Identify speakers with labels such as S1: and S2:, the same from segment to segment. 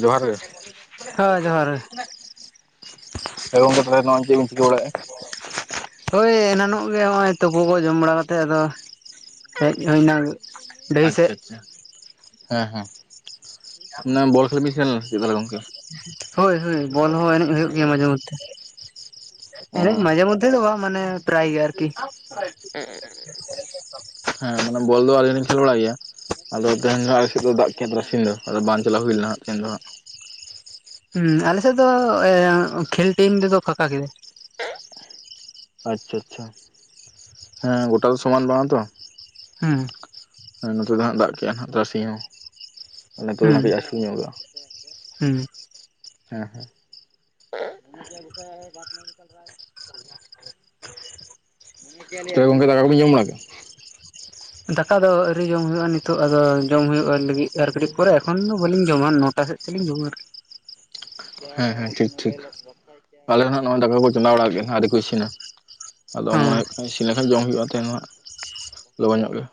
S1: ᱡᱚᱦᱟᱨ ᱜᱮ
S2: ᱦᱮᱸ ᱡᱚᱦᱟᱨ ᱜᱮ
S1: ᱦᱮ ᱜᱚᱱᱝᱠᱮ ᱪᱮᱛ ᱵᱮᱱ ᱪᱮᱠᱟ ᱵᱟᱨᱟᱭᱮᱛ-ᱟ
S2: ᱦᱳᱭ ᱮᱱᱟᱱᱚᱜ ᱜᱮ ᱦᱚᱜᱚᱭ ᱛᱳᱜᱳ ᱠᱚ ᱡᱚᱢ ᱵᱟᱲᱟ ᱠᱟᱛᱮᱫ ᱟᱫᱚ ᱦᱮᱡ ᱦᱩᱭᱱᱟ ᱰᱟᱹᱦᱤ ᱥᱮᱫ
S1: ᱟᱪᱪᱷᱟ ᱟᱪᱪᱷᱟ ᱦᱮᱸ ᱦᱮᱸ ᱾ ᱢᱟᱱᱮ ᱵᱚᱞ ᱠᱷᱮᱞ ᱵᱮᱱ ᱥᱮᱱ ᱞᱮᱱᱟ ᱛᱟᱦᱚᱞᱮ ᱜᱚᱝᱠᱮ?
S2: ᱦᱳᱭ ᱦᱳᱭ ᱵᱚᱞ ᱦᱚᱸ ᱮᱱᱮᱡ ᱦᱩᱭᱩᱜ ᱜᱮᱭᱟ ᱢᱟᱡᱷᱮ ᱢᱚᱫᱽᱫᱷᱮ ᱮᱱᱮᱡ ᱢᱟᱡᱷᱮ ᱢᱚᱫᱽᱫᱷᱮ ᱫᱚ ᱵᱟᱝ ᱢᱟᱱᱮ ᱯᱨᱟᱭ ᱜᱮ ᱟᱨᱠᱤ
S1: [inaudible] ᱦᱮᱸ ᱢᱟᱱᱮ ᱵᱚᱞ ᱫᱚ ᱟᱹᱞᱤᱧ ᱞᱤᱧ ᱠᱷᱮᱞ ᱵᱟᱲ ᱜᱮᱭᱟ ᱟᱫᱚ ᱛᱮᱦᱮᱧ ᱫᱚ ᱟᱞᱮ ᱥᱮᱫ ᱫᱚ ᱫᱟᱜ ᱠᱮᱫ ᱫᱚ ᱟᱫᱚ ᱵᱟᱝ ᱪᱟᱞᱟᱣ ᱦᱩᱭ ᱞᱮᱱᱟ ᱦᱟᱜ ᱫᱚ
S2: ᱦᱮᱸ ᱟᱞᱮᱥᱮᱫ ᱫᱚ ᱠᱷᱮᱞ ᱴᱤᱢ ᱨᱮᱫᱚ ᱯᱷᱟᱠᱟ ᱜᱤ
S1: ᱟᱪᱷᱟ ᱟᱪᱷᱟ ᱦᱮᱸ ᱜᱚᱴᱟ ᱫᱚ ᱥᱚᱢᱟᱱ ᱵᱟᱝ ᱛᱚ
S2: ᱦᱩᱸ
S1: [inaudible] ᱦᱮᱸ ᱱᱚᱛᱮ ᱫᱚ ᱦᱜ ᱫᱟᱜ ᱠᱼᱟ ᱛᱟᱨᱟ ᱥᱤᱧ ᱦᱚᱸ
S2: ᱦᱩᱸ
S1: [unintelligible] ᱧᱚᱜᱚᱜᱼᱟ
S2: ᱦᱩᱸ
S1: ᱦᱮᱸ [unintelligible] ᱛᱚᱵᱮ ᱜᱚᱢᱠᱮ ᱫᱟᱠᱟ ᱠᱚᱵᱮᱱ ᱡᱚᱢ ᱵᱟᱲᱟ ᱠᱮᱫᱟ
S2: ᱫᱟᱠᱟ ᱫᱚ ᱟᱣᱨᱤ ᱡᱚᱢ ᱦᱩᱭᱩᱜᱼᱟ ᱱᱤᱛᱚᱜ ᱫᱚ ᱡᱚᱢ ᱦᱩᱭᱩᱜᱼᱟ ᱞᱟᱹᱜᱤᱫ ᱟᱨ ᱠᱟᱹᱴᱤᱡ ᱯᱚᱨᱮ ᱮᱠᱷᱚᱱ ᱫᱚ ᱵᱟᱹᱞᱤᱧ ᱡᱮᱢᱚᱱ ᱱᱚᱴᱟ ᱥᱮᱫ ᱛᱮᱞᱤᱧ ᱨᱩᱣᱟᱹᱲ᱾
S1: ᱦᱮᱸ ᱦᱮᱸ ᱴᱷᱤᱠ ᱴᱷᱤᱠ ᱾ᱟᱞᱮ ᱦᱚᱸ ᱱᱚᱜ-ᱚᱭ ᱫᱟᱠᱟ ᱠᱚ ᱪᱚᱸᱫᱟ ᱵᱟᱲᱟ ᱜᱮ ᱟᱹᱣᱨᱤ ᱠᱚ ᱤᱥᱤᱱᱟ ᱟᱫᱚ
S2: ᱦᱮᱸ
S1: ᱢᱚᱱᱮ ᱦᱩᱭᱩᱜ ᱠᱟᱱᱟ ᱤᱥᱤᱱ ᱞᱮᱠᱷᱟᱱ ᱡᱚᱢ ᱦᱩᱭᱩᱜᱼᱟ, ᱛᱮᱦᱮᱱ ᱫᱚ ᱦᱟᱸᱜ ᱞᱚᱜᱚᱱ ᱧᱚᱜ ᱜᱮ᱾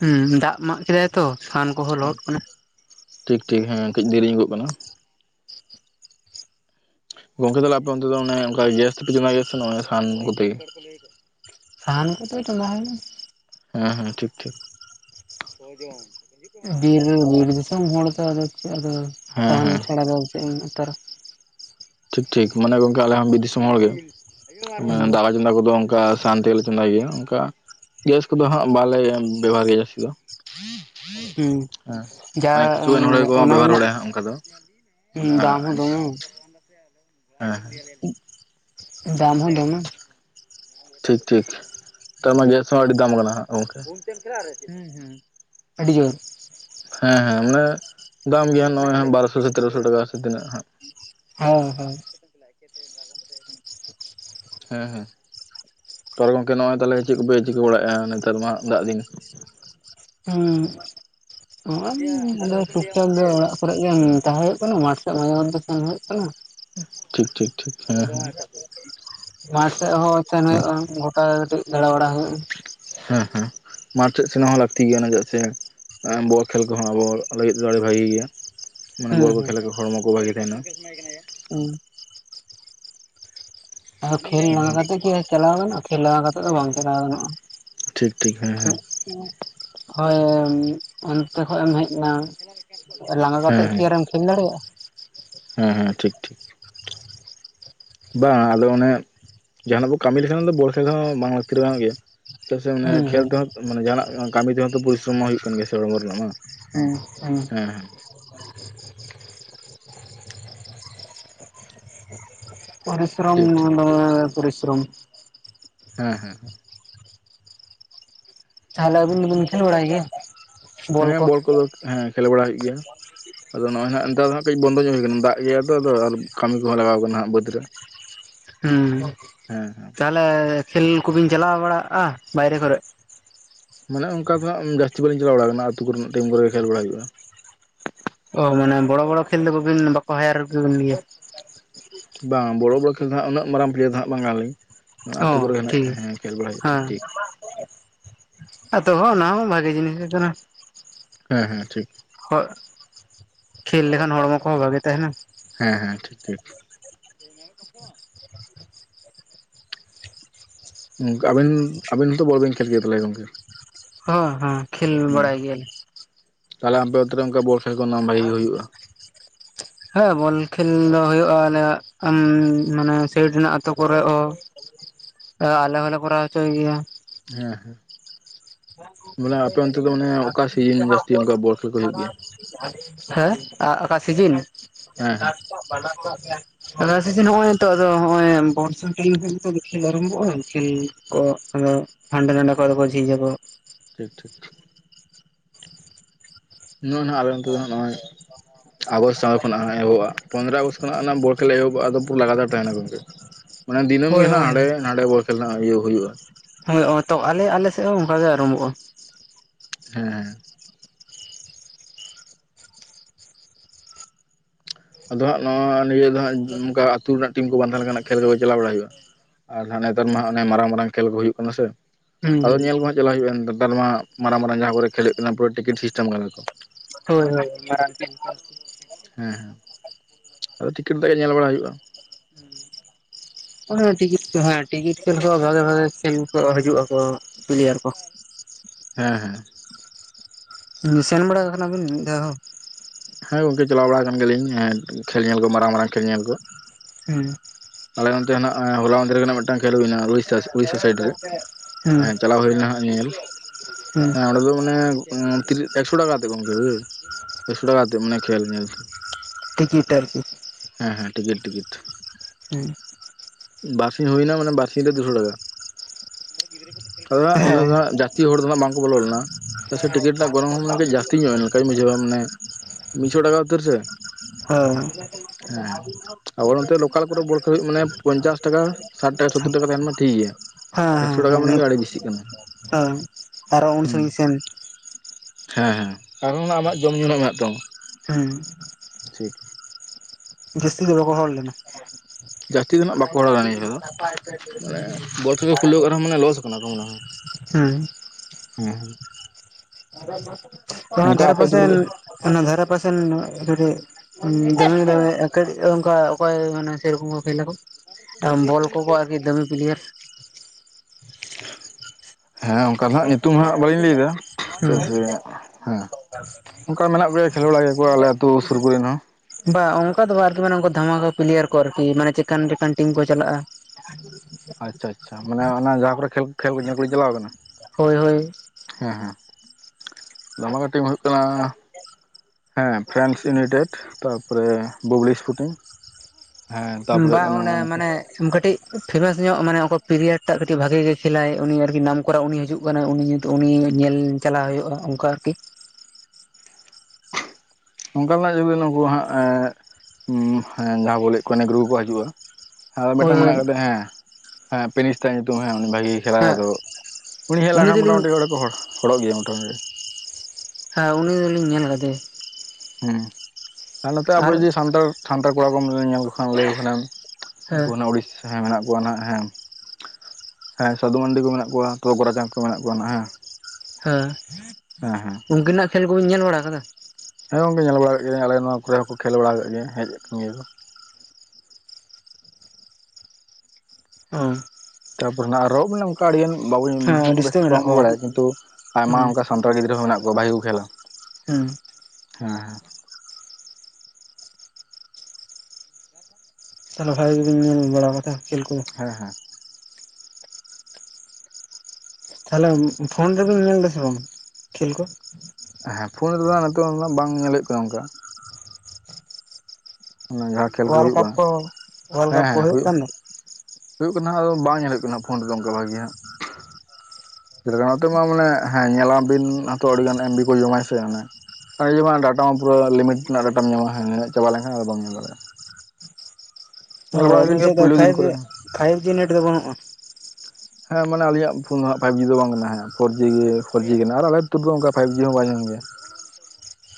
S2: ᱦᱩᱸ ᱫᱟᱜ ᱢᱟᱜ ᱠᱮᱫᱟᱭ ᱛᱚ ᱥᱟᱦᱟᱱ ᱠᱚᱦᱚᱸ ᱞᱚᱦᱚᱫ ᱠᱟᱱᱟ᱾
S1: ᱴᱷᱤᱠ ᱴᱷᱤᱠ ᱦᱮᱸ ᱠᱟᱹᱡ ᱫᱮᱨᱤ ᱧᱚᱜᱚᱜ ᱠᱟᱱᱟ᱾ ᱜᱚᱝᱠᱮ ᱛᱟᱦᱚᱞᱮ ᱟᱯᱮ ᱚᱱᱛᱮ ᱚᱱᱮ ᱜᱮᱥ ᱛᱮᱯᱮ ᱪᱚᱸᱫᱟᱭ ᱥᱮ ᱱᱚᱜ-ᱚᱭ ᱥᱟᱦᱟᱱ ᱠᱚᱛᱮ ᱜᱮ
S2: ᱥᱟᱦᱟᱱ ᱠᱚᱛᱮ ᱪᱚᱸᱫᱟ ᱦᱩᱭᱩᱜ-ᱟ᱾
S1: ᱦᱮᱸ ᱦᱮᱸ ᱴᱷᱤᱠ ᱴᱷᱤᱠ
S2: ᱵᱤᱨ, ᱵᱤᱨ ᱫᱤᱥᱚᱢ ᱦᱚᱲ ᱛᱚ ᱟᱫᱚ ᱪᱮᱫ ᱟᱫᱚ
S1: ᱦᱮᱸ
S2: ᱥᱟᱦᱟᱱ
S1: ᱦᱮᱸ
S2: ᱪᱷᱟᱲᱟ ᱫᱚ ᱪᱮᱫ ᱮᱢ ᱟᱛᱟᱨᱟ᱾
S1: ᱴᱷᱤᱠ ᱴᱷᱤᱠ ᱢᱟᱱᱮ ᱜᱚᱝᱠᱮ ᱟᱞᱮ ᱦᱚᱸ ᱵᱤᱨ ᱫᱤᱥᱚᱢ ᱦᱚᱲ ᱜᱮ ᱢᱟᱱᱮ
S2: ᱦᱩᱸ
S1: [inaudible] ᱚᱱᱟ ᱠᱚᱫᱚ ᱚᱱᱠᱟ ᱥᱟᱦᱟᱱ ᱛᱮᱜᱮ ᱞᱮ ᱪᱚᱸᱫᱟᱭ ᱜᱮᱭᱟ ᱚᱱᱠᱟ ᱜᱮᱥ ᱠᱚᱫᱚ ᱦᱟᱸᱜ ᱵᱟᱞᱮ ᱵᱮᱵᱚᱦᱟᱨ ᱜᱮᱭᱟ ᱡᱟᱹᱥᱛᱤ ᱫᱚ᱾
S2: ᱦᱩᱸ
S1: ᱦᱮᱸ
S2: ᱡᱟ
S1: ᱢᱟᱱᱮ ᱠᱤᱪᱷᱩᱜᱟᱱ ᱦᱚᱲ ᱜᱮᱠᱚ
S2: ᱚᱱᱟ
S1: ᱵᱮᱵᱚᱦᱟᱨ
S2: ᱨᱮᱱᱟᱜ
S1: ᱵᱟᱲᱟᱭᱟ ᱚᱱᱠᱟ ᱫᱚ ᱩᱱᱟ
S2: ᱫᱟᱢ ᱦᱚᱸ
S1: [unintelligible] ᱦᱮᱸᱮ
S2: ᱫᱚᱢᱮ ᱫᱟᱢ ᱦᱚᱸ ᱫᱚᱢᱮ
S1: ᱴᱷᱤᱠ ᱴᱷᱤᱠ ᱱᱮᱛᱟᱨ ᱢᱟ ᱜᱮᱥ ᱦᱚᱸ ᱟᱹᱰᱤ ᱫᱟᱢ ᱟᱠᱟᱱᱟ ᱦᱟᱸᱜ
S2: ᱦᱩᱸ ᱦᱮᱸ ᱟᱹᱰᱤ ᱡᱳᱨ᱾
S1: ᱦᱮᱸ ᱦᱮᱸ ᱢᱟᱱᱮ ᱫᱟᱢ ᱜᱮᱭᱟ ᱱᱚᱜᱼᱚᱭ ᱵᱟᱨᱚᱥᱚ ᱥᱮ ᱛᱮᱨᱚᱥᱚ ᱴᱟᱠᱟ ᱥᱮ ᱛᱤᱱᱟᱹᱜ ᱦᱟᱸᱜ
S2: ᱦᱮᱸ ᱦᱮᱸ
S1: [inaudible] ᱦᱮᱸ ᱦᱮᱸ [unintelligible] ᱜᱚᱝᱠᱮ ᱱᱚᱜᱼᱚᱭ ᱛᱟᱦᱚᱞᱮ ᱪᱮᱫ ᱠᱚᱯᱮ ᱪᱤᱠᱟᱹ ᱵᱟᱲᱟᱭᱮᱫᱼᱟ ᱱᱮᱛᱟᱨ ᱢᱟ ᱫᱟᱜ ᱫᱤᱱ
S2: ᱦᱮᱸ ᱱᱚᱜ-ᱚᱭ ᱢᱟᱱᱮ ᱴᱩᱠᱴᱟᱜ ᱜᱮ ᱚᱲᱟᱜ ᱛᱚᱨᱯᱚᱨᱮ ᱜᱮ ᱛᱟᱦᱮ ᱦᱩᱭᱩᱜ ᱠᱟᱱᱟ᱾ ᱠᱟᱴᱷᱟ ᱥᱮᱜ ᱢᱟᱡᱷᱮ ᱢᱚᱫᱫᱷᱮ ᱥᱮᱱ ᱦᱩᱭᱩᱜ ᱠᱟᱱᱟ᱾
S1: ᱴᱷᱤᱠ ᱴᱷᱤᱠ ᱴᱷᱤᱠ ᱦᱮᱸ ᱦᱮᱸ
S2: ᱢᱟᱴᱷ ᱥᱮᱫ ᱦᱚᱸ ᱥᱮᱱ ᱦᱩᱭᱩᱜᱼᱟ ᱾ᱜᱚᱰᱟ ᱠᱟᱹᱴᱤᱡ ᱫᱟᱬᱟ ᱵᱟᱲᱟ ᱦᱩᱭᱩᱜᱼᱟ᱾
S1: ᱦᱮᱸ ᱦᱮᱸ ᱢᱟᱴᱷ ᱥᱮᱫ ᱥᱮᱱ ᱦᱚᱸ ᱞᱟᱹᱠᱛᱤ ᱜᱮᱭᱟ ᱪᱮᱫᱟᱜ ᱥᱮ ᱵᱚᱞ ᱠᱷᱮᱞ ᱠᱚᱦᱚᱸ ᱟᱵᱚ ᱞᱟᱹᱜᱤᱫ ᱫᱚ ᱟᱹᱰᱤ ᱵᱷᱟᱜᱤ ᱜᱮᱭᱟ, ᱢᱟᱱᱮ ᱵᱚᱞ ᱠᱚ
S2: ᱦᱩᱸ
S1: ᱠᱷᱮᱞ ᱞᱮᱠᱷᱟᱱ ᱦᱚᱲᱢᱚ ᱠᱚ ᱵᱷᱟᱜᱮ ᱛᱟᱦᱮᱸᱱᱟ᱾
S2: ᱦᱩᱸ ᱠᱷᱮᱞ ᱞᱟᱸ ᱠᱟᱛᱮ ᱜᱮ ᱪᱟᱞᱟᱣ ᱜᱟᱱᱚᱜᱼᱟ ᱠᱷᱮᱞᱟ ᱠᱟᱛᱮ ᱫᱚ ᱵᱟᱝ ᱪᱟᱞᱟᱣ ᱜᱟᱱᱚᱜᱼᱟ
S1: ᱴᱷᱤᱠ ᱴᱷᱤᱠ ᱦᱮᱸ ᱦᱮᱸ
S2: ᱦᱳᱭ ᱚᱱᱛᱮ ᱠᱷᱚᱡ ᱮᱢ ᱦᱮᱡ ᱱᱟ, ᱞᱟᱸᱜᱟ
S1: ᱦᱮᱸ
S2: ᱠᱟᱛᱮᱜ ᱠᱤ ᱟᱨ ᱮᱢ ᱠᱷᱮᱞ ᱫᱟᱲᱮᱭᱟᱜᱼᱟ᱾
S1: ᱦᱮᱸ ᱦᱮᱸ ᱴᱷᱤᱠ ᱴᱷᱤᱠ ᱵᱟᱝ ᱟᱫᱚ ᱚᱱᱮ ᱡᱟᱦᱟᱱᱟᱜ ᱵᱚ ᱠᱟᱹᱢᱤ ᱞᱮᱠᱷᱟᱱ ᱵᱚᱞ ᱠᱷᱮᱞᱦᱚᱸ ᱵᱟᱝ ᱞᱟᱠᱛᱤ ᱠᱟᱱ ᱜᱮᱭᱟ᱾ ᱪᱮᱫᱟᱜ ᱥᱮ ᱢᱟᱱᱮ ᱠᱷᱮᱞ
S2: ᱦᱩᱸ
S1: ᱛᱮᱦᱚᱸ ᱢᱮ ᱡᱟᱦᱟᱱᱟᱜ ᱠᱟᱹᱢᱤ ᱛᱮᱦᱚᱸ ᱛᱚ ᱯᱚᱨᱤᱥᱨᱚᱢ ᱦᱩᱭᱩᱜ ᱠᱟᱱ ᱜᱮᱭᱟ ᱥᱮ ᱦᱚᱲᱢᱚ ᱨᱮᱱᱟᱜ ᱢᱟ᱾ ᱵᱟᱝ
S2: ᱦᱮᱸ
S1: ᱦᱮᱸ
S2: ᱯᱚᱨᱤᱥᱨᱚᱢ
S1: ᱴᱷᱤᱠ ᱴᱷᱤᱠ
S2: ᱫᱚᱢᱮ ᱯᱚᱨᱤᱥᱨᱚᱢ
S1: ᱦᱮᱸ ᱦᱮᱸ ᱦᱮᱸ
S2: ᱛᱟᱦᱚᱞᱮ ᱟᱵᱤᱱ ᱫᱚᱵᱤᱱ ᱠᱷᱮᱞ ᱵᱟᱲᱟᱭ ᱜᱮᱭᱟ?
S1: ᱦᱮᱸ ᱵᱚᱞ ᱠᱚᱫᱚ ᱦᱮᱸ ᱠᱷᱮᱞ ᱵᱟᱲᱟ ᱦᱩᱭᱩᱜ ᱜᱮᱭᱟ᱾ ᱟᱫᱚ ᱱᱚᱜᱼᱚᱭ ᱦᱟᱸᱜ ᱱᱮᱛᱟᱨ ᱫᱚ ᱠᱟᱹᱡ ᱵᱚᱱᱫᱚ ᱧᱚᱜ ᱦᱩᱭ ᱟᱠᱟᱱᱟ᱾ ᱫᱟᱜ ᱜᱮ ᱟᱫᱚ, ᱟᱫᱚ ᱟᱨ ᱠᱟᱹᱢᱤ ᱠᱚᱦᱚᱸ ᱞᱟᱜᱟᱣ ᱟᱠᱟᱱᱟ ᱦᱟᱸᱜ ᱵᱟᱹᱫᱽ ᱨᱮ [inaudible]
S2: ᱦᱮᱸ
S1: ᱦᱮᱸ ᱦᱮᱸ
S2: ᱛᱟᱦᱚᱞᱮ ᱠᱷᱮᱞ ᱠᱚᱵᱤᱱ ᱪᱟᱞᱟᱣ ᱵᱟᱲᱟᱜᱼᱟ ᱵᱟᱦᱨᱮ ᱠᱚᱨᱮ
S1: ᱢᱟᱱᱮ ᱚᱱᱠᱟ ᱫᱚ ᱦᱟᱸᱜ ᱡᱟᱹᱥᱛᱤ ᱵᱟᱹᱞᱤᱧ ᱪᱟᱞᱟᱣ ᱵᱟᱲᱟ ᱟᱠᱟᱱᱟ, ᱟᱛᱳ ᱠᱚᱨᱮᱱᱟᱜ ᱴᱤᱢ ᱠᱚᱨᱮ ᱜᱮ ᱠᱷᱮᱞ ᱵᱟᱲᱟ ᱦᱩᱭᱩᱜᱼᱟ᱾
S2: ᱚ ᱢᱟᱱᱮ ᱵᱚᱲᱚ ᱵᱚᱲᱚ ᱠᱷᱮᱞ ᱫᱚ ᱵᱟᱵᱮᱱ ᱵᱟᱠᱚ ᱦᱟᱭᱟᱨ ᱵᱮᱱ ᱜᱮᱭᱟ
S1: ᱵᱟᱝ ᱵᱚᱲᱚ ᱵᱚᱲᱚ ᱠᱷᱮᱞ ᱫᱚ ᱦᱟᱸᱜ ᱩᱱᱟᱹᱜ ᱢᱟᱨᱟᱝ ᱯᱞᱮᱭᱟᱨ ᱫᱚ ᱦᱟᱸᱜ ᱵᱟᱝ ᱠᱟᱱᱟᱞᱤᱧ᱾
S2: ᱚ
S1: ᱟᱛᱳ ᱠᱚᱜ ᱜᱮ ᱦᱟᱸᱜ
S2: ᱴᱷᱤᱠ
S1: ᱦᱮᱸ ᱠᱷᱮᱞ ᱵᱟᱲᱟᱭ ᱦᱩᱭᱩᱜᱼᱟ ᱴᱷᱤᱠ ᱴᱷᱤᱠ
S2: [inaudible] ᱟᱫᱚ ᱚᱱᱟ ᱦᱚᱸ ᱵᱷᱟᱜᱤ ᱡᱤᱱᱤᱥ ᱜᱮ ᱠᱟᱱᱟ
S1: ᱦᱮᱸ ᱦᱮᱸ ᱴᱷᱤᱠ
S2: ᱦ ᱠᱷᱮᱞ ᱞᱮᱠᱷᱟᱱ ᱦᱚᱲᱢᱚ ᱠᱚᱦᱚᱸ ᱵᱷᱟᱜᱤ ᱛᱟᱦᱮᱱᱟ
S1: ᱦᱮᱸ ᱦᱮᱸ ᱴᱷᱤᱠ ᱴᱷᱤᱠ ᱠᱚᱥ [inaudible] ᱟᱝᱠᱟ ᱟᱵᱤᱱ ᱦᱚᱸᱛᱚ ᱵᱚᱞ ᱵᱮᱱ ᱠᱷᱮᱞ ᱜᱮᱭᱟ ᱛᱟᱦᱚᱞᱮ ᱜᱚᱝᱠᱮ
S2: ᱦᱮ ᱦᱮᱸ ᱠᱷᱮᱞ
S1: ᱦᱮᱸ
S2: ᱵᱟᱲᱟᱭ ᱜᱮᱭᱟᱞᱤᱧ
S1: ᱛᱟᱦᱚᱞᱮ ᱟᱯᱮ ᱟᱛᱳ ᱨᱮ ᱚᱱᱠᱟ ᱵᱚᱞ ᱠᱷᱮᱞ ᱠᱚ ᱨᱮᱱᱟᱜ ᱵᱷᱟᱜᱤ ᱜᱮ
S2: ᱦᱮᱸ
S1: ᱦᱩᱭᱩᱜᱼᱟ
S2: [inaudible]
S1: [unintelligible]
S2: ᱦᱮᱸ ᱵᱚᱞ ᱠᱷᱮᱞ ᱫᱚ ᱦᱩᱭᱩᱜᱼᱟ ᱟᱞᱮ ᱢᱟᱱᱮ ᱥᱤᱟᱭᱴ ᱨᱮᱱᱟᱜ ᱟᱛᱳ ᱠᱚᱨᱮ ᱦᱚᱸ ᱟᱞᱮ ᱦᱚᱸᱞᱮ ᱠᱚᱨᱟᱣ ᱦᱚᱪᱚᱭ ᱜᱮᱭᱟ
S1: ᱦᱮᱸ ᱦᱮᱸ
S2: ᱦᱮᱸ ᱜᱚᱝᱠᱮ
S1: ᱢᱟᱱᱮ
S2: ᱞᱟᱹᱭ
S1: ᱟᱯᱮ ᱚᱱᱛᱮ ᱫᱚ
S2: ᱫᱟᱞᱤᱧ
S1: ᱢᱟᱱᱮ ᱚᱠᱟ
S2: ᱟᱹᱵᱤᱱ
S1: ᱥᱤᱡᱤᱱ
S2: ᱡᱟᱦᱟᱸ
S1: ᱡᱟᱹᱥᱛᱤ ᱚᱱᱠᱟ ᱵᱚᱞ ᱠᱷᱮᱞ ᱠᱚ ᱦᱩᱭᱩᱜ ᱜᱮᱭᱟ
S2: ᱦᱮᱸ ᱚᱠᱟ ᱥᱤᱡᱤᱱ
S1: ᱦᱮᱸ
S2: [unintelligible]
S1: ᱦᱮᱸ
S2: ᱪᱟᱜ ᱵᱟᱱᱟ ᱚ ᱜᱮᱭᱟ [unintelligible] ᱟ ᱥᱤᱡᱤᱱ ᱱᱚᱜᱚᱭ ᱛᱚ ᱟᱫᱚ ᱵᱚᱨᱥᱟ ᱛᱟᱭᱚᱢ ᱠᱷᱚᱱ ᱠᱷᱮᱞ ᱟᱨᱵᱷᱚᱜᱼᱟ ᱠᱷᱮᱞ ᱠᱚ ᱷᱟᱸᱱᱰᱮ ᱱᱟᱸᱰᱮ ᱠᱷᱚᱨᱮ ᱠᱚ ᱡᱷᱤᱡ ᱟᱠᱚ [inaudible]
S1: ᱴᱷᱤᱠ ᱴᱷᱤᱠ ᱱᱜᱼᱚᱭ ᱱᱟᱜ ᱟᱞᱮ ᱱᱚᱛᱮ ᱫᱚ ᱱᱟᱦᱟᱜ ᱱᱚᱜᱼᱚᱭ ᱟᱜᱚᱥᱴ ᱥᱟᱶ ᱠᱷᱚᱱᱟᱜ ᱮᱦᱚᱵᱚᱜᱼᱟ ᱯᱚᱸᱫᱽᱨᱚ ᱟᱜᱚᱥᱴᱚᱱᱟᱜ ᱵᱚᱞᱠᱷᱮᱞ ᱯᱚᱱᱮᱨᱚ ᱟᱜᱚᱥᱴ ᱠᱦᱚᱱᱟᱜ ᱮᱦᱚᱵᱚᱜᱼᱟ ᱟᱫᱚ ᱯᱩᱨᱟᱹ ᱞᱟᱜᱟᱛᱟᱨ ᱛᱟᱦᱮᱱᱟ ᱜᱚᱝᱠᱮ ᱫᱤᱱᱟᱹᱢ ᱜᱮ
S2: ᱦᱳᱭ
S1: ᱦᱟᱜ
S2: ᱦᱳᱭ
S1: ᱦᱟᱸᱰᱮ ᱱᱟᱸᱰᱮ ᱵᱚᱞᱠᱷᱮᱞ ᱠᱷ ᱤᱭᱟᱹ ᱦᱩᱭᱩᱜᱼᱟ
S2: ᱦᱳᱭ ᱛᱚ ᱟᱞᱮ ᱟᱞᱮᱥᱮᱫ ᱦᱚᱸ ᱚᱱᱠᱟ ᱜᱮ ᱟᱨᱟᱢᱵᱷᱚᱜᱼᱟ
S1: ᱦᱮᱸ ᱦᱮᱸ ᱟᱫᱚ ᱦᱟᱸᱜ ᱱᱚᱣᱟ ᱱᱤᱭᱟᱹ ᱫᱚ ᱦᱟᱸᱜ ᱚᱱᱠᱟ ᱟᱹᱛᱩ ᱨᱮᱱᱟᱜ ᱴᱤᱢ ᱠᱚ ᱵᱟᱝ ᱛᱟᱦᱮᱸ ᱞᱮᱱ ᱠᱷ ᱠᱷᱮᱞ ᱠᱚ ᱪᱟᱞᱟᱣ ᱵᱟᱲᱟ ᱦᱩᱭᱩᱜᱼᱟ ᱟᱨ ᱱᱟᱜ ᱱᱮᱛᱟᱨ ᱢᱟ ᱢᱟᱨᱟᱝ ᱢᱟᱨᱟᱝ ᱠᱷᱮᱞ ᱠᱚ ᱦᱩᱭᱩᱜ ᱠᱟᱱᱟ ᱥᱮ
S2: ᱦᱩᱸ
S1: ᱟᱫᱚ
S2: ᱦᱩᱸ
S1: ᱧᱮᱞ ᱠᱚ ᱦᱜ ᱪᱟᱞᱟᱜ ᱦᱩᱭᱩᱜᱼᱟ ᱱᱮᱛᱟᱨ ᱢᱟ ᱢᱟᱨᱟᱝ ᱢᱟᱨᱟᱝ ᱡᱟᱦᱟᱸ ᱠᱚᱨᱮ ᱠᱷᱮᱞ ᱦᱩᱭᱩᱜ ᱠᱟᱱᱟ ᱯᱩᱨᱟᱹ ᱴᱤᱠᱤᱴ ᱥᱤᱥᱴᱮᱢ ᱠᱟᱱᱟ ᱠᱚ
S2: ᱦᱳᱭ ᱦᱳ [unintelligible]
S1: ᱦᱮᱸ ᱦᱮᱸ ᱟᱫᱚ ᱴᱤᱠᱤᱴ ᱠᱟᱛᱮ ᱧᱮᱞ ᱵᱟᱲᱟ ᱦᱩᱭᱩᱜᱼᱟ
S2: ᱦᱮᱸ [unintelligible] ᱦᱮᱸ ᱴᱤᱠᱤᱴ ᱠᱚ ᱦᱮᱸ ᱴᱤᱠᱤᱴ ᱠᱷᱮᱞ ᱠᱚ ᱵᱷᱟᱜᱮ ᱵᱷᱟᱜᱮ ᱠᱷᱮᱞ ᱠᱚ ᱦᱤᱡᱩᱜᱼᱟᱠᱚ ᱯᱞᱮᱭᱟᱨ ᱠᱚ
S1: ᱦᱮᱸ ᱦᱮᱸ
S2: ᱥᱮᱱ ᱵᱟᱲᱟ ᱟᱠᱟᱱᱟ ᱵᱤᱱ ᱢᱤᱫ ᱫᱷᱟᱣ ᱦᱚᱸ
S1: ᱦᱮᱸ ᱜᱚᱝᱠᱮ ᱪᱟᱞᱟᱣ ᱵᱟᱲᱟ ᱠᱟᱱ ᱜᱮᱭᱟᱞᱤᱧ ᱠᱷᱮᱞ ᱧᱮᱞ ᱠᱚ ᱢᱟᱨᱟᱝ ᱢᱟᱨᱟᱝ ᱠᱷᱮᱞ ᱧᱮᱞ ᱠᱚ
S2: ᱦᱮᱸ
S1: ᱟᱞᱮ ᱱᱚᱛᱮ ᱦᱮᱱᱟᱜᱼᱟ ᱦᱚᱞᱟ ᱢᱟᱫᱤᱨ ᱨᱮᱱᱟᱜ ᱢᱤᱫᱴᱟᱝ ᱪᱟᱞᱩᱭᱱᱟ ᱩᱲᱤᱥᱥᱟ ᱩᱲᱤᱥᱥᱟ ᱥᱟᱭᱤᱰ ᱨᱮ
S2: ᱦᱩᱸ ᱦᱩᱸ
S1: ᱦᱮ ᱪᱟᱞᱟᱣ ᱦᱩᱭ ᱞᱮᱱᱟ ᱦᱟᱸᱜ ᱧᱮᱞ
S2: ᱦᱩᱸ
S1: ᱦᱮᱸ ᱚᱸᱰᱮ ᱫᱚ ᱢᱟᱱᱮ ᱮᱠᱥᱚ ᱴᱟᱠᱟ ᱠᱟ ᱠᱟᱛᱮᱫ ᱜᱚᱢᱠᱮ ᱵᱩᱡᱦᱟᱹᱣ [unintelligible] [inaudible] ᱢᱟᱱᱮ ᱠᱷᱮᱞ ᱧᱮᱞ
S2: ᱴᱤᱠᱤᱴ ᱟᱨᱠᱤ
S1: ᱦᱮᱸ ᱦᱮᱸ ᱴᱤᱠᱤᱴ ᱴᱤᱠᱤᱴ
S2: ᱦᱮᱸ
S1: ᱵᱟᱨᱥᱤᱧ ᱦᱩᱭᱱᱟ ᱢᱟᱱᱮ ᱵᱟᱨᱥᱤᱧ ᱨᱮ ᱫᱩᱭᱥᱚ ᱴᱟᱠᱟ ᱟᱫᱚ ᱮᱱ ᱦᱤᱞᱳᱜ
S2: ᱦᱮᱸ
S1: ᱫᱚ ᱦᱟᱜ ᱡᱟᱹᱥᱛᱤ ᱦᱚᱲ ᱫᱚ ᱦᱟᱜ ᱵᱟᱝᱠᱚ ᱵᱚᱞᱚ ᱞᱮᱱᱟ ᱪᱮᱫᱟᱜ ᱥᱮ ᱴᱤᱠᱤᱴ ᱨᱮᱱᱟᱜ ᱜᱚᱱᱚᱝ ᱦᱚᱸ ᱴᱤᱠᱤᱴ ᱨᱮᱱᱟᱜ ᱜᱚᱱᱚᱝ ᱦᱚᱸ ᱡᱟᱹᱥᱛᱤ ᱧᱚᱜᱼᱟ ᱞᱮᱠᱟᱧ ᱵᱩᱡᱷᱟᱹᱣᱟ ᱢᱟᱱᱮ ᱢᱤᱫᱥᱚ ᱴᱟᱠᱟ ᱩᱛᱟᱹᱨ ᱥᱮ
S2: ᱦᱳᱭ
S1: ᱦᱮᱸ ᱟᱵᱚ ᱱᱚᱛᱮ ᱞᱳᱠᱟᱞ ᱠᱚᱨᱮ ᱵᱚᱞ ᱠᱷᱮᱞ ᱦᱩᱭᱩᱜ ᱢᱟᱱᱮ ᱯᱚᱧᱪᱟᱥ ᱴᱟᱠᱟ ᱥᱟᱴ ᱴᱟᱠᱟ ᱥᱳᱛᱛᱳ ᱴᱟᱠᱟ ᱛᱮ ᱮᱢ ᱢᱮ ᱴᱷᱤᱠ ᱜᱮᱭᱟ
S2: ᱦᱮᱸ
S1: ᱮᱠᱥᱚ ᱴᱟᱠᱟ
S2: ᱦᱮᱸ
S1: ᱢᱟᱱᱮ ᱜᱮ
S2: ᱦᱮᱸ
S1: ᱟᱹᱰᱤ ᱵᱮᱥᱤᱜ ᱠᱟᱱᱟ
S2: ᱦᱮᱸ ᱟᱨᱚ ᱩᱱ
S1: ᱦᱩᱸ
S2: ᱥᱟᱹᱜᱤᱧ ᱥᱮᱱ
S1: ᱦᱮᱸ ᱦᱮᱸ ᱟᱨᱚ ᱚᱱᱟ ᱟᱢᱟᱜ ᱡᱚᱢ ᱧᱩᱩ ᱱᱟᱜ ᱢᱮᱱᱟᱜ ᱛᱟᱢ᱾
S2: ᱦᱩᱸ᱾
S1: ᱴᱷᱤᱠ᱾
S2: ᱡᱟᱹᱥᱛᱤ [unintelligible] ᱞᱮᱱᱟ᱾
S1: [inaudible] ᱡᱟᱹᱥᱛᱤ ᱫᱚ ᱱᱟᱜ ᱵᱟᱠᱚ ᱨᱚᱲᱟ ᱱᱤᱭᱟᱹ᱾ ᱠᱚᱫᱚ ᱢᱟᱱᱮ [unintelligible]
S2: ᱦᱩᱸ
S1: ᱦᱮᱸ
S2: ᱚᱱᱟ
S1: ᱚᱱᱠᱟ
S2: ᱫᱷᱟᱨᱮ
S1: ᱟᱯᱮ ᱟᱹᱛᱩ
S2: ᱯᱟᱥᱮᱱ
S1: ᱠᱚᱨᱮ
S2: ᱚᱱᱟ ᱫᱷᱟᱨᱮ ᱯᱟᱥᱮᱱ ᱫᱚᱢᱮ ᱫᱚᱢᱮ ᱮ ᱠᱟᱹᱴᱤᱡ ᱚᱱᱠᱟ ᱚᱠᱚᱭ ᱢᱟᱱᱮ ᱥᱮᱨᱚᱠᱚᱢ ᱠᱷᱮᱞᱟ ᱠᱚ? ᱟᱢ ᱵᱚᱞ ᱠᱚᱠᱚ ᱟᱨᱠᱤ ᱫᱟᱹᱟᱢᱤ ᱯᱞᱭᱟᱹᱨ
S1: ᱦᱮᱸ ᱚᱱᱠᱟ ᱱᱟᱜ ᱧᱩᱛᱩᱢ ᱦᱟᱸᱜ ᱵᱟᱹᱞᱤᱧ ᱞᱟᱹᱭᱫᱟ᱾ ᱪᱮᱫᱟᱜ ᱥᱮ
S2: ᱦᱮᱸ
S1: ᱦᱮᱸ, ᱚᱱᱠᱟ ᱢᱮᱱᱟᱜ ᱠᱚ ᱜᱮᱭᱟ ᱠᱷᱮᱞ ᱵᱟᱲᱟᱭ ᱜᱮᱭᱟ ᱠᱚ ᱟᱞᱮ ᱟᱹᱛᱩ ᱥᱩᱨ ᱠᱚᱨᱮᱱ ᱦᱚᱸ
S2: ᱵᱟ ᱚᱱᱠᱟ ᱫᱚ ᱵᱟ ᱟᱨᱠᱤ ᱢᱟᱱᱮ ᱚᱱᱠᱚ ᱫᱷᱟᱢᱟᱠᱟ ᱯᱞᱮᱭᱟᱨ ᱠᱚ ᱟᱨᱠᱤ ᱢᱟᱱᱮ ᱪᱤᱠᱟᱱ ᱴᱤᱠᱟᱱ ᱴᱤᱢ ᱠᱚ ᱪᱟᱞᱟᱜᱼᱟ᱾ [inaudible]
S1: ᱟᱪᱷᱟ ᱟᱪᱷᱟ ᱢᱟᱱᱮ ᱚᱱᱟ ᱡᱟᱦᱟᱸ ᱠᱚᱨᱮ ᱠᱷᱮᱞ ᱠᱷᱮᱞ ᱠᱚ ᱠᱚᱧ ᱠᱚ ᱵᱮᱱ ᱪᱟᱞᱟᱣ ᱟᱠᱟᱱᱟ?
S2: ᱦᱳᱭ ᱦᱳᱭ᱾
S1: ᱦᱮᱸ ᱦᱮᱸ᱾ [inaudible] ᱴᱤᱢ ᱦᱳᱭᱳᱜ ᱠᱟᱱᱟ ᱦᱮᱸ ᱯᱷᱨᱮᱱᱥ ᱭᱩᱱᱤᱴᱮᱰ ᱛᱟᱵᱽ ᱛᱟᱯᱚᱨᱮ ᱵᱩᱜᱽᱲᱤᱥ ᱯᱷᱩᱴᱤᱝ ᱦᱮᱸ ᱛᱟᱯᱚᱨᱮ ᱦᱳᱭᱳᱜ
S2: ᱵᱟ
S1: ᱠᱟᱱᱟ
S2: ᱚᱱᱮ ᱢᱟᱱᱮ ᱠᱟᱹᱴᱤᱡ ᱯᱷᱮᱢᱟᱥ ᱧᱚᱜ ᱢᱟᱱᱮ ᱚᱠᱟ ᱯᱮᱨᱤᱭᱟᱰ ᱴᱟᱜ ᱠᱟᱹᱴᱤᱡ ᱵᱷᱟᱜᱤ ᱜᱮ ᱠᱷᱮᱞᱟᱭ ᱩᱱᱤ ᱟᱨᱠᱤ ᱱᱟᱢ ᱠᱚᱨᱟ ᱩᱱᱤ ᱦᱤᱡᱩᱜ ᱠᱟᱱᱟ ᱩᱱᱤ, ᱩᱱᱤ ᱧᱮᱞ ᱪᱟᱞᱟᱜ ᱦᱩᱭᱩᱜᱼᱟ ᱚᱱᱠᱟ ᱟᱨᱠᱤ
S1: ᱚᱱᱠᱟᱱᱟᱜ ᱡᱩᱜᱤ ᱱᱩᱠᱩ ᱦᱟᱸᱜ ᱮᱻ ᱩᱸᱻ ᱦᱮᱸ ᱡᱟᱦᱟᱸ ᱵᱳ ᱞᱟᱹᱭᱮᱫ ᱠᱚᱣᱟ ᱱᱮᱜᱽᱨᱩ ᱠᱚ ᱦᱟᱹᱡᱩᱜᱼᱟ᱾ ᱟᱨ ᱢᱤᱫ
S2: ᱦᱳᱭ
S1: ᱴᱟᱝ
S2: ᱦᱳᱭ
S1: ᱢᱮᱱᱟᱜ ᱠᱟᱫᱤ ᱦᱮᱸ ᱦᱮᱸ᱾ ᱯᱤᱱᱤᱥ ᱛᱟᱭ ᱧᱩᱛᱩᱢ ᱦᱮᱸ ᱩᱱᱤ ᱵᱷᱟᱹᱜᱤᱭ ᱠᱷᱮᱞᱟ
S2: ᱦᱮᱸ
S1: ᱟᱫᱚ ᱩᱱᱤ ᱦᱮᱡ ᱞᱮᱱᱠᱷᱟᱱ ᱢᱚᱴᱟᱢᱩᱴᱤ ᱚᱸᱰᱮ ᱠᱚ ᱦᱚᱲ ᱦᱚᱲᱚᱜ ᱜᱮᱭᱟ ᱢᱚᱴᱟᱢᱩᱴᱤ᱾
S2: ᱦᱮᱸ ᱩᱱᱤ ᱫᱚᱞᱤᱧ ᱧᱮᱞ ᱠᱟᱫᱮ
S1: ᱦᱩᱸ ᱟᱨ ᱱᱚᱛᱮ ᱟᱵᱚ ᱡᱩᱫᱤ ᱥᱟᱱᱛᱟᱲ ᱥᱟᱱᱛᱟᱲ ᱠᱚᱲᱟ ᱠᱚᱢ ᱧᱮᱞ ᱠᱚ ᱠᱷᱟᱱ ᱞᱟᱹᱭ ᱠᱚ ᱠᱷᱟᱱᱢ
S2: ᱦᱮᱸ
S1: ᱱᱳᱠᱳ ᱱᱟᱜ ᱩᱲᱤᱥᱥᱟ ᱢᱮᱱᱟᱜ ᱠᱚᱶᱟ ᱱᱟᱦᱟᱜ ᱦᱮᱸ ᱦᱮᱸ ᱥᱟᱫᱩ ᱢᱟᱱᱰᱤ ᱠᱚ ᱢᱮᱱᱟᱜ ᱠᱚᱣᱟ ᱛᱚ ᱜᱳᱨᱟᱪᱟᱸᱫᱽ ᱠᱚ ᱢᱮᱱᱟᱜ ᱠᱚᱣᱟ ᱱᱟ ᱦᱮᱸ
S2: ᱦᱮᱸ
S1: ᱦᱮᱸ ᱦᱮᱸ
S2: ᱩᱱᱠᱤᱱᱟᱜ ᱠᱷᱮᱞ ᱠᱩᱵᱮᱱ ᱧᱮᱞ ᱵᱟᱲᱟ ᱠᱟᱫᱟ?
S1: ᱦᱮᱸ ᱜᱚᱝᱠᱮ ᱧᱮᱞ ᱵᱟᱲᱟ ᱠᱮᱫ ᱜᱮᱭᱟᱧ ᱟᱞᱮ ᱱᱚᱶᱟ ᱠᱚᱨᱮ ᱦᱚᱸᱠᱚ ᱠᱷᱮᱞ ᱵᱟᱲᱟ ᱠᱟᱫ ᱜᱮᱭᱟ ᱦᱮᱡ ᱟᱠᱟᱱ ᱜᱮᱭᱟ ᱠᱚ᱾
S2: ᱚᱸᱻ
S1: ᱛᱟᱨᱯᱚᱨᱮ ᱱᱟᱜ ᱟᱨᱚ ᱚᱱᱮ ᱚᱱᱠᱟ ᱟᱹᱰᱤᱜᱟᱱ ᱵᱟᱵᱳ
S2: ᱦᱮᱸ
S1: ᱧᱩᱛᱩᱢ
S2: ᱟᱹᱰᱤ ᱩᱥᱛᱟᱹᱭ ᱢᱮᱱᱟᱜ
S1: ᱵᱟᱵᱚᱱ
S2: ᱠᱚᱣᱟ᱾
S1: ᱵᱟᱲᱟᱭᱟ ᱠᱤᱱᱛᱩ
S2: ᱦᱩᱸ
S1: ᱟᱭᱢᱟ ᱚᱱᱠᱟ ᱥᱟᱱᱛᱟᱲ ᱜᱤᱫᱽᱨᱟᱹ ᱦᱚᱸ ᱢᱮᱱᱟᱜ ᱠᱚᱣᱟ ᱵᱷᱟᱜᱤ ᱠᱚ ᱠᱷᱮᱞᱟ᱾
S2: ᱦᱩᱸ
S1: ᱦᱮᱸ ᱦᱮᱸ᱾
S2: ᱛᱟᱦᱞᱮ ᱵᱷᱟᱜᱮ ᱜᱮᱵᱮᱱ ᱧᱮᱞ ᱵᱟᱲᱟ ᱠᱟᱫᱟ ᱠᱷᱮᱞ ᱠᱚ?
S1: ᱦᱮᱸ ᱦᱮᱸ᱾
S2: ᱛᱟᱦᱞᱮ ᱯᱷᱳᱱ ᱨᱮᱵᱮᱱ ᱧᱮᱞ ᱫᱟ ᱥᱮ ᱵᱟᱝ ᱠᱷᱮᱞ ᱠᱚ?
S1: ᱦᱮᱸ ᱯᱷᱳᱱ ᱨᱮᱫᱚ ᱦᱟᱸᱜ ᱱᱤᱛᱚᱜ ᱫᱚ ᱦᱟᱸᱜ ᱵᱟᱝ ᱧᱮᱞ ᱦᱳᱭᱳᱜ ᱠᱟᱱᱟ ᱚᱱᱠᱟ᱾ ᱚᱱᱟ ᱡᱟᱦᱟᱸ ᱠᱷᱮᱞ ᱠᱚ
S2: ᱳᱣᱟᱨᱞᱰ ᱠᱟᱯ
S1: ᱦᱩᱭᱩᱜᱼᱟ ᱠᱟᱱᱟ,
S2: ᱳᱣᱟᱨᱞᱰ
S1: ᱦᱮᱸ
S2: ᱠᱟᱯ ᱠᱚ
S1: ᱦᱮᱸ ᱦᱩᱭᱩᱜ
S2: ᱠᱟᱱ ᱫᱚ
S1: ᱦᱩᱭᱩᱜ ᱠᱟᱱᱟ ᱟᱫᱚ ᱵᱟᱝ ᱧᱮᱞ ᱦᱩᱭᱩᱜ ᱠᱟᱱᱟ ᱯᱷᱳᱱ ᱨᱮᱫᱚ ᱚᱱᱠᱟ ᱵᱷᱟᱜᱮ ᱦᱟᱜ᱾ ᱪᱮᱫᱟ ᱱᱚᱛᱮ ᱢᱟ ᱢᱟᱱᱮ ᱦᱮᱸ ᱧᱮᱞᱟ ᱵᱤᱱ ᱟᱛᱚ ᱟᱹᱰᱤ ᱜᱟᱱ ᱮᱢ ᱵᱤ ᱠᱚ ᱡᱚᱢᱟᱭ ᱥᱮ ᱚᱱᱮ᱾ [inaudible] ᱵᱟᱝ ᱰᱟᱴᱟ ᱚᱸ ᱯᱩᱨᱟᱹ ᱞᱤᱢᱤᱴ ᱨᱮᱱᱟᱜ ᱰᱟᱴᱟᱢ ᱧᱟᱢᱟ ᱦᱮᱸ ᱪᱟᱵᱟ ᱞᱮᱠᱷᱟᱱ ᱟᱨ ᱵᱟᱢ ᱧᱮᱞ ᱫᱟᱲᱮᱜᱼᱟ᱾
S2: ᱚᱻ
S1: ᱦᱩᱭ ᱞᱮᱱ
S2: ᱟᱵᱤᱱ
S1: ᱜᱮᱭᱟ
S2: ᱥᱮᱫ ᱫᱚ
S1: ᱯᱳᱭᱞᱳ ᱫᱤᱱ
S2: ᱯᱷᱟᱭᱤᱵ
S1: ᱠᱚᱨᱮ
S2: ᱡᱤ ᱯᱷᱟᱭᱤᱵ ᱡᱤ ᱱᱮᱴ ᱫᱚ ᱵᱟᱹᱱᱩᱜᱼᱟ?
S1: ᱦᱮᱸ ᱢᱟᱱᱮ ᱟᱞᱤᱧᱟᱜ ᱯᱷᱳᱱ ᱦᱟᱸᱜ ᱯᱷᱟᱭᱤᱵᱽ ᱡᱤ ᱫᱚ ᱵᱟᱝ ᱠᱟᱱᱟ ᱦᱮᱸ ᱯᱷᱳᱨ ᱡᱤ ᱜᱮ ᱯᱷᱳᱚᱨ ᱡᱤ ᱠᱟᱱᱟ ᱟᱨ ᱟᱞᱮ ᱟᱛᱩ ᱨᱮᱫᱚ ᱚᱱᱠᱟ ᱯᱷᱟᱭᱤᱵᱽ ᱡᱤ ᱦᱚᱸ ᱵᱟᱭ ᱧᱟᱢ ᱜᱮᱭᱟ᱾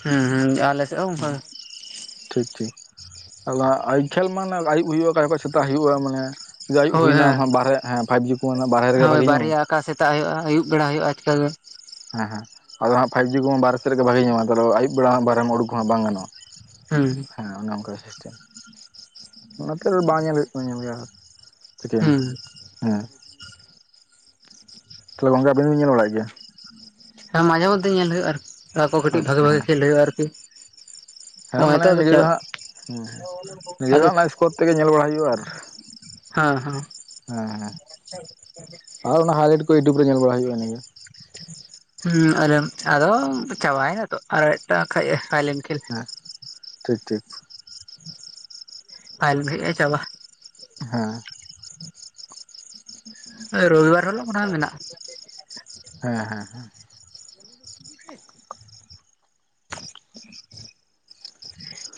S2: ᱦᱢᱸ ᱦᱢᱸ ᱟᱞᱮ ᱥᱮᱫ ᱦᱚᱸ ᱚᱱᱠᱟ ᱜᱮ᱾
S1: ᱴᱷᱤᱠ ᱴᱷᱤᱠ, ᱟᱫᱚ ᱦᱟᱸᱜ ᱟᱭ ᱠᱷᱮᱞ ᱢᱟ ᱟᱭᱩᱵ ᱦᱩᱭᱩᱜ ᱟ ᱚᱠᱟ ᱡᱚᱠᱷᱮᱡ ᱥᱮᱛᱟᱜ ᱦᱩᱭᱩᱜᱼᱟ ᱢᱟᱱᱮ᱾ ᱡᱟ ᱟᱭᱩᱵ
S2: ᱦᱳᱭ
S1: ᱦᱩᱭᱱᱟ
S2: ᱦᱮᱸ
S1: ᱢᱟ ᱵᱟᱦᱨᱮ ᱦᱮᱸ ᱯᱷᱟᱭᱩᱵ ᱡᱩ ᱾
S2: ᱦᱳᱭ ᱵᱟᱨᱭᱟ ᱟᱠᱟ ᱥᱮᱛᱟᱜ ᱦᱩᱭᱩᱜᱼᱟ ᱟᱭᱩᱵ ᱵᱮᱲᱟ ᱦᱩᱭᱩᱜᱼᱟ ᱟᱪᱠᱟᱜᱮ
S1: ᱦᱮᱸ ᱦᱮᱸ ᱟᱨᱦᱚ ᱦᱟᱜ ᱯᱷᱟᱭᱤᱵ ᱡᱤ ᱠᱚ ᱵᱟᱨᱦᱮ ᱥᱮᱫ ᱨᱮᱜᱮ ᱵᱷᱟᱜᱤ ᱧᱟᱢᱟᱭ ᱟᱭᱩᱵ ᱵᱮᱲᱟ ᱵᱟᱦᱨᱮ ᱩᱰᱩᱠ ᱠᱚᱦᱚᱸ ᱵᱟᱝ ᱜᱟᱱᱚᱜᱼᱟ ᱾
S2: ᱦᱮᱸ
S1: ᱦᱮᱸ ᱚᱱᱮ ᱚᱱᱠᱟ ᱥᱤᱥᱴᱮᱢ ᱚᱱᱟᱛᱮ ᱵᱟᱝ ᱧᱮᱞ ᱦᱩᱭᱩᱜ ᱠᱟᱱᱟ ᱧᱮᱞ ᱜᱮ ᱟᱨᱦᱚ ᱪᱤᱠᱟᱹᱭᱟᱢ?
S2: ᱦᱩᱸ
S1: ᱦᱮᱸ ᱾ ᱛᱟᱦᱞᱮ ᱜᱚᱝᱠᱮ ᱟᱵᱤᱱ ᱵᱤᱱ ᱧᱮᱞ ᱵᱟᱲᱟᱜ ᱜᱮᱭᱟ?
S2: ᱦᱮᱸ ᱢᱟᱡᱷᱮ-ᱢᱚᱫᱽᱫᱮ ᱧᱮᱞ ᱦᱩᱭᱩᱜᱼᱟ ᱟᱨ ᱠᱤ ᱠᱟᱹᱴᱤᱡ ᱵᱷᱟᱜᱤ
S1: ᱟᱪᱪᱷᱟ
S2: ᱵᱷᱟᱜᱤ
S1: ᱦᱮᱸ
S2: ᱠᱷᱮᱞ ᱦᱩᱭᱩᱜ ᱟᱨᱠᱤ ᱾
S1: ᱦᱮᱸ ᱢᱟᱱᱮ ᱱᱤᱡᱮ ᱫᱚ ᱦᱟᱸᱜ ᱱᱤᱡᱮ ᱫᱚ
S2: ᱟᱫᱚ
S1: ᱦᱟᱜ ᱞᱟᱭᱤᱵ ᱤᱥ ᱛᱮᱜᱮ ᱧᱮᱞ ᱵᱟᱲᱟᱭ ᱦᱩᱭᱩᱜᱼᱟ ᱟᱨ
S2: ᱦᱮᱸ ᱦᱮᱸ
S1: ᱾ ᱦᱮᱸ ᱦᱮᱸ᱾ ᱟᱨ ᱚᱱᱟ ᱦᱟᱭᱞᱟᱭᱤᱴ ᱠᱚ ᱩᱴᱩᱵᱽ ᱨᱮ ᱧᱮᱞ ᱵᱟᱲᱟ ᱦᱩᱭᱩᱜᱼᱟ ᱤᱱᱟ ᱜᱮ ᱾
S2: ᱦᱩᱸ ᱟᱨ ᱟᱨᱦᱚ ᱪᱵᱟᱭᱱᱟ ᱛᱚ ᱟᱨ ᱢᱤᱫᱴᱟᱝ ᱠᱷᱟᱡᱜᱮ ᱯᱦᱟᱹᱱᱮᱞ ᱠᱷᱮᱞ ᱾
S1: ᱴᱷᱤᱠ ᱴᱷᱤᱠ ᱾
S2: ᱯᱟᱭᱞ ᱵᱷ ᱪᱟᱵᱟ [unintelligible]
S1: ᱦᱮᱸ
S2: ᱨᱚᱵᱤᱵᱟᱨ ᱦᱤᱞᱳᱜ ᱚᱱᱟ ᱢᱮᱱᱟᱜᱼᱟ
S1: ᱦᱮᱸ ᱦᱮᱸ ᱦᱮᱸ ᱡᱤᱛᱮᱥ [unintelligible]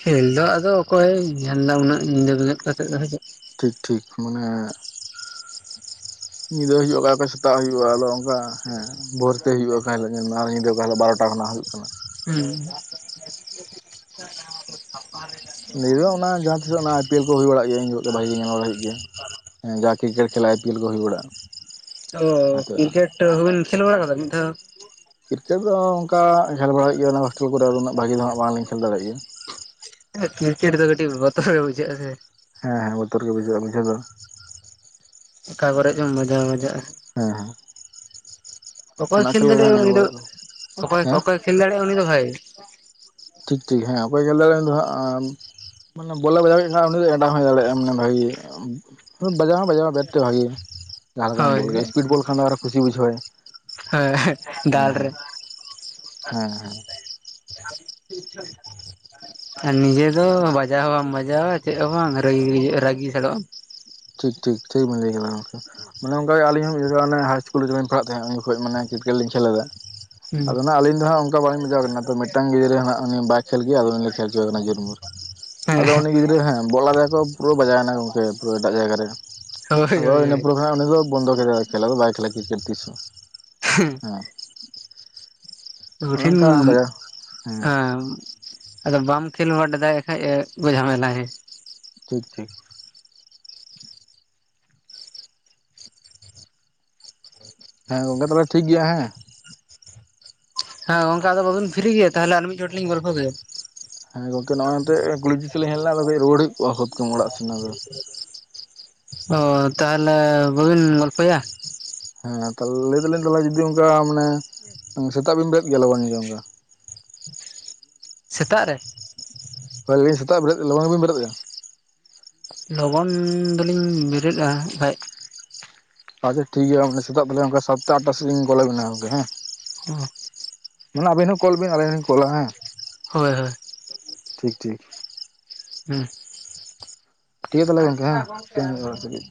S2: ᱠᱷᱮᱞ ᱫᱚ ᱟᱫᱚ ᱚᱠᱚᱭ ᱧᱮᱞᱫᱟ ᱩᱱᱟᱹᱜ ᱧᱤᱫᱟᱹ ᱵᱮᱸᱜᱮᱫ ᱠᱟᱛᱮ ᱫᱚ ᱦᱚᱭᱛᱳ
S1: ᱴᱷᱤᱠ ᱴᱷᱤᱠ ᱢᱟᱱᱮ ᱧᱤᱫᱟᱹ ᱦᱩᱭᱩᱜᱼᱟ ᱚᱠᱟ ᱚᱠᱟ ᱥᱮᱛᱟᱜ ᱦᱩᱭᱩᱜᱼᱟ ᱟᱫᱚ ᱚᱱᱠᱟ ᱦᱮᱸ ᱵᱷᱳᱨᱛᱮ ᱦᱩᱭᱩᱜᱼᱟ ᱟᱠᱟ ᱦᱤᱞᱳ ᱧᱮᱞ ᱢᱮ ᱟᱨ ᱧᱤᱫᱟᱹ ᱚᱠᱟ ᱦᱤᱞᱳ ᱵᱟᱨᱚᱴᱟ ᱠᱷᱚᱱᱟᱜ ᱦᱩᱭᱩᱜ ᱠᱟᱱᱟ ᱾
S2: ᱦᱩᱸ
S1: ᱱᱤᱭᱟᱹᱚᱜ ᱚᱱᱟ ᱡᱟᱦᱟᱸ ᱛᱤᱥ ᱚᱱᱟ ᱟᱭ ᱯᱤ ᱮᱞ ᱠᱚ ᱦᱩᱭ ᱵᱟᱲᱟᱜ ᱜᱮᱭᱟ ᱩᱱ ᱡᱚᱠᱷᱚᱡ ᱵᱷᱟᱜᱤ ᱜᱮ ᱧᱮᱞ ᱵᱟᱲᱟ ᱦᱩᱭᱩᱜ ᱜᱮᱭᱟ ᱾ ᱦᱮᱸ ᱡᱟ ᱠᱨᱤᱠᱮᱴ ᱠᱷᱮᱞᱟ ᱟᱭᱯᱤᱭᱮᱞ ᱠᱚ ᱦᱩᱭ ᱵᱟᱲᱟᱜᱼᱟ ᱾
S2: ᱚ ᱠᱨᱤᱠᱮᱴ ᱦᱚᱸᱵᱮᱱ ᱠᱷᱮᱞ ᱵᱟᱲᱟ ᱟᱠᱟᱫᱟ ᱢᱤᱫ ᱫᱷᱟᱣ ᱦᱚ
S1: ᱠᱨᱤᱠᱮᱴ ᱫᱚ ᱚᱱᱠᱟ ᱠᱷᱮᱞ ᱵᱟᱲᱟᱭ ᱜᱮᱭᱟ ᱚᱱᱟ ᱦᱳᱥᱴᱮᱞ ᱠᱚᱨᱮ ᱫᱚ ᱩᱱᱟᱹᱜ ᱵᱷᱟᱜᱤ ᱫᱚ ᱦᱟᱸᱜ ᱵᱟᱝᱞᱤᱧ ᱠᱷᱮᱞ ᱫᱟᱲᱮᱭᱟᱜ ᱜᱮᱭᱟ ᱾
S2: ᱦᱮᱸ ᱠᱨᱤᱠᱮᱴ ᱫᱚ ᱠᱟᱹᱴᱤᱡ ᱵᱚᱛᱚᱨ ᱜᱮ ᱵᱩᱡᱷᱟᱹᱜ ᱟ ᱥᱮ
S1: ᱦᱮᱸ ᱦᱮ ᱵᱚᱛᱚᱨ ᱜᱮ ᱵᱩᱡᱟᱹᱜᱼᱟ ᱵᱩᱡᱷᱟᱹᱣ ᱫᱚ
S2: ᱚᱠᱟ ᱠᱚᱨᱮ ᱪᱚᱢ ᱵᱟᱡᱟᱣ ᱵᱟᱡᱟᱜᱼᱟ
S1: ᱦᱮᱸ ᱦᱮᱸ
S2: ᱚᱠᱚᱭ
S1: ᱚᱱᱟ
S2: ᱠᱷᱮᱞ
S1: ᱜᱮ
S2: ᱫᱟᱲᱮ
S1: ᱦᱟᱸᱜ ᱧᱮᱞ
S2: ᱩᱱᱤ ᱫᱚ
S1: ᱵᱟᱲᱟᱭᱮᱫ ᱠᱚᱣᱟ
S2: ᱚᱠᱚᱭ
S1: ᱦᱮᱸ
S2: ᱚᱠᱚᱭᱮ ᱠᱷᱮᱞ ᱫᱟᱲᱮᱭᱟᱜ ᱩᱱᱤ ᱫᱚ ᱵᱷᱟᱹᱭ
S1: ᱴᱷᱤᱠ ᱴᱷᱤᱠ ᱦᱮᱸ ᱚᱠᱚᱭ ᱜᱮᱞ ᱫᱚ ᱦᱟᱸᱜ ᱢᱟᱱᱮ ᱵᱚᱞᱮ ᱵᱟᱡᱟᱣ ᱠᱮᱫ ᱠᱷᱟᱱ ᱩᱱᱤ ᱫᱚ ᱮᱰᱟᱣ ᱦᱳᱭ ᱫᱟᱲᱮᱭᱟᱜᱼᱟ ᱢᱟᱱᱮ ᱵᱷᱟᱜᱤ ᱜᱮ ᱵᱟᱡᱟᱣ ᱦᱚᱸ ᱵᱟᱡᱟᱣ ᱵᱮᱴ ᱛᱮ ᱵᱷᱟᱜᱤ ᱜᱮ ᱡᱟᱦᱟᱸ ᱞᱮᱠᱟᱢ
S2: ᱦᱳᱭ
S1: ᱵᱚᱞ ᱥᱯᱤᱰ ᱵᱚᱞ ᱠᱷᱟᱱ ᱫᱚ ᱟᱨ ᱦᱚᱸ ᱠᱩᱥᱤ ᱵᱩᱡᱷᱟᱹᱣ
S2: ᱦᱳᱭ ᱦᱮᱸ ᱫᱟᱞ ᱨᱮ [unintelligible]
S1: ᱦᱮᱸ ᱦᱮᱸ
S2: ᱟᱪᱪᱷᱟ [unintelligible] ᱟᱨ ᱱᱤᱡᱮ ᱫᱚ ᱵᱟᱡᱟᱣ ᱦᱚᱸ ᱵᱟᱢ ᱵᱟᱡᱟᱜ-ᱟ ᱪᱮᱫ ᱦᱚᱸ ᱵᱟᱝᱟᱹᱜᱤ ᱨᱟᱹᱜᱤ ᱜᱮ ᱵᱩᱡᱷᱟ ᱨᱟᱹᱜᱤ ᱜᱮ ᱯᱷᱮᱰᱚᱜᱼᱟ
S1: ᱴᱷᱤᱠ ᱴᱷᱤᱠ ᱴᱷᱤᱠ ᱵᱮᱱ ᱞᱟᱹᱭ ᱠᱮᱫᱟ ᱜᱚᱝᱠᱮ ᱢᱟᱱᱮ ᱚᱱᱠᱟ ᱜᱮ ᱟᱞᱤᱧ ᱦᱚᱸ ᱢᱤᱫ-ᱵᱟᱨ ᱦᱟᱭᱤᱥᱠᱩᱞ ᱨᱮ ᱡᱚᱠᱷᱚᱡ ᱯᱟᱲᱟᱜ ᱛᱟᱦᱮᱸᱜ ᱩᱱ ᱡᱚᱠᱷᱚᱡ ᱢᱟᱱᱮ ᱠᱨᱤᱠᱮᱴ ᱞᱤᱧ ᱠᱷᱮᱞ ᱞᱮᱫᱟ
S2: ᱦᱩᱸ
S1: ᱾ ᱟᱫᱚ ᱱᱟ ᱟᱹᱞᱤᱧ ᱫᱚ ᱦᱟᱸᱜ ᱵᱟᱹᱧ ᱢᱮᱡᱟᱣ ᱠᱟᱱᱟ ᱛᱚ ᱢᱤᱫᱴᱟᱝ ᱜᱤᱫᱽᱨᱟᱹ ᱱᱟᱜ ᱩᱱᱤ ᱵᱟᱭ ᱠᱷᱮᱞ ᱜᱮᱭᱟ ᱟᱫᱚ ᱩᱱᱤ ᱠᱷᱮᱞᱪᱚᱭᱮ ᱨᱮᱱᱟᱝ ᱜᱮ ᱡᱩᱨᱢᱩᱨ
S2: ᱦᱮᱸ
S1: ᱟᱫᱚ ᱩᱱᱤ ᱜᱤᱫᱽᱨᱟᱹ ᱦᱮᱸ ᱵᱚᱞ ᱟᱫᱮᱛᱮ ᱠᱚ ᱯᱩᱨᱟᱹ ᱵᱟᱡᱟᱣᱮᱱᱟ ᱜᱚᱝᱠᱮ ᱯᱩᱨᱟᱹ ᱮᱴᱟᱜ ᱡᱟᱭᱜᱟ ᱨᱮ
S2: ᱦᱳᱭ
S1: ᱟᱫᱚ
S2: ᱦᱳᱭ
S1: ᱤᱱᱟᱹ
S2: ᱦᱳᱭ
S1: ᱯᱚᱨᱮ ᱠᱷᱚᱱᱟᱜ ᱩᱱᱤ ᱫᱚ ᱵᱚᱱᱫᱚ ᱠᱮᱫᱟᱭᱟ ᱠᱷᱮᱞᱟᱫᱚ ᱵᱟᱭ ᱠᱷᱮᱞᱟ ᱠᱨᱤᱠᱮᱴ ᱛᱤᱥᱦᱚᱸ
S2: ᱦᱩᱸ
S1: ᱦᱮᱸ ᱚᱱᱮ
S2: ᱨᱴᱷᱤᱱ
S1: ᱚᱱᱠᱟ ᱵᱟᱡᱟᱣ
S2: ᱵᱮᱱ ᱢᱮᱱ ᱦᱮᱸ [unintelligible] ᱟᱫᱚ ᱵᱟᱢ ᱠᱷᱮᱞ ᱵᱟᱰ ᱵᱟᱰᱟᱭ ᱠᱷᱟᱡ ᱡᱷᱟᱢᱮᱞᱟᱭ ᱦᱮᱸ
S1: ᱴᱷᱤᱠ ᱴᱷᱤᱠ ᱦᱮᱸ ᱜᱚᱝᱠᱮ ᱛᱚᱵᱮ ᱴᱷᱤᱠ ᱜᱮᱭᱟ ᱦᱮᱸ
S2: ᱦᱮᱸ ᱜᱚᱝᱠᱮ ᱟᱫᱚ ᱵᱟᱵᱤᱱ ᱯᱷᱤᱨᱤ ᱜᱮᱭᱟ ᱛᱟᱦᱚᱞᱮ ᱟᱨ ᱢᱤᱫ ᱪᱚᱦᱚᱴ ᱞᱤᱧ ᱜᱚᱞᱯᱚ ᱠᱮᱭᱟ
S1: ᱦᱮᱸ ᱜᱚᱝᱠᱮ ᱱᱚᱜᱼᱚᱭ ᱱᱚᱛᱮ ᱠᱩᱞᱤ ᱥᱮᱫ ᱞᱤᱧ ᱦᱮᱡ ᱞᱮᱱᱟ ᱟᱫᱚ ᱠᱟᱹᱡ ᱨᱩᱣᱟᱹᱲ ᱦᱩᱭ ᱠᱚᱜᱼᱟ ᱦᱩᱛᱠᱟᱹᱢ ᱚᱲᱟᱜ ᱥᱮᱱ ᱟᱫᱚ
S2: ᱚ ᱛᱟᱦᱚᱞᱮ ᱵᱟᱹᱵᱤᱱ ᱜᱚᱞᱯᱷᱚᱭᱟ?
S1: ᱦᱮᱸ ᱞᱟᱹᱭ ᱮᱫᱟᱞᱤᱧ ᱛᱟᱦᱚᱞᱮ ᱡᱩᱫᱤ ᱚᱱᱠᱟ ᱢᱟᱱᱮ ᱥᱮᱛᱟᱜ ᱵᱤᱱ ᱵᱮᱨᱮᱫ ᱜᱮᱭᱟ ᱞᱚᱜᱚᱱ ᱞᱮᱠᱟ
S2: ᱥᱮᱛᱟᱜ ᱨᱮ
S1: ᱦᱳᱭ ᱟᱹᱞᱤᱧ ᱥᱮᱛᱟᱜ ᱵᱮᱨᱮᱫ ᱞᱚᱜᱚᱱ ᱞᱤᱧ ᱵᱮᱨᱮᱫᱼᱟ
S2: ᱞᱚᱜᱚᱱ ᱫᱚᱞᱤᱧ ᱵᱮᱨᱮᱫᱟ [unintelligible] ᱮᱠᱷᱟᱱ
S1: ᱟᱪᱪᱷᱟ ᱴᱷᱤᱠ ᱜᱮᱭᱟ ᱥᱮᱛᱟᱜ ᱚᱱᱠᱟ ᱥᱟᱛᱴᱟ ᱟᱴᱴᱟ ᱥᱮᱫᱞᱤᱧ ᱠᱚᱞ ᱟᱵᱮᱱᱟ ᱜᱚᱢᱠᱮ ᱦᱮᱸ
S2: ᱦᱮᱸ
S1: ᱢᱟᱱᱮ ᱟᱵᱤᱱ ᱦᱚᱸ ᱠᱚᱞ ᱵᱤᱱ ᱟᱵᱮᱱ ᱦᱚᱸᱧ ᱠᱚᱞᱟ ᱦᱮᱸ
S2: ᱦᱳᱭ ᱦᱳᱭ
S1: ᱴᱷᱤᱠ ᱴᱷᱤᱠ
S2: ᱦᱮᱸ
S1: ᱴᱷᱤᱠ ᱜᱮᱭᱟ ᱛᱟᱦᱞᱮ ᱜᱚᱢᱠᱮ ᱦᱮ ᱥᱮᱱ ᱞᱮᱱᱜᱤᱧ ᱚᱲᱟᱜ ᱥᱮᱫ ᱠᱟ. ᱡ